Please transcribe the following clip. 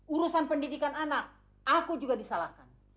urusan pendidikan anak aku juga disalahkan